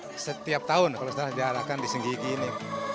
pokoknya kami senang setiap tahun kalau senang diharapkan di senggigi ini